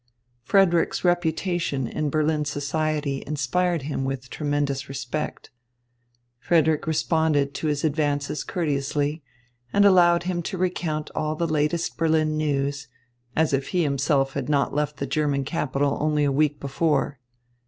Frederick's reputation in Berlin society inspired him with tremendous respect. Frederick responded to his advances courteously, and allowed him to recount all the latest Berlin news, as if he himself had not left the German capital only a week before.